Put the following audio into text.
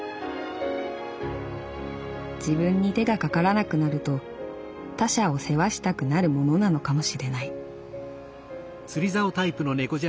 「自分に手がかからなくなると他者を世話したくなるものなのかもしれない」。